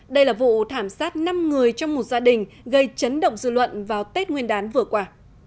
đây là vụ thảm sát năm người trong một gia đình gây chấn động dư luận vào tết nguyên đán vừa qua